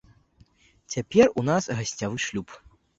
Цяпер у нас гасцявы шлюб.